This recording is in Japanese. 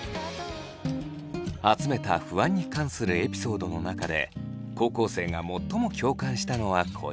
集めた不安に関するエピソードの中で高校生が最も共感したのはこちら。